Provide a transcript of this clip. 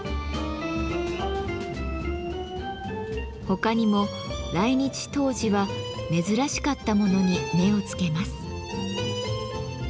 他にも来日当時は珍しかったものに目をつけます。